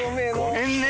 ごめんね！